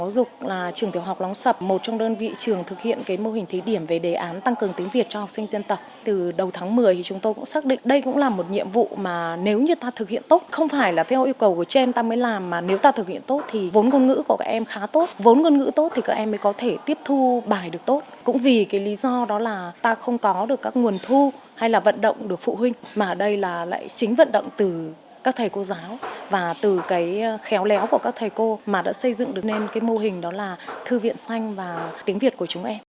và lại chính vận động từ các thầy cô giáo và từ cái khéo léo của các thầy cô mà đã xây dựng được nên cái mô hình đó là thư viện xanh và tiếng việt của chúng em